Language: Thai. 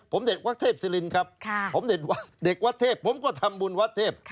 ผมเด็กวัสเทพศิลป์ครับผมเด็กวัสเทพศิลป์ผมก็ทำบุญวัสเทพศิลป์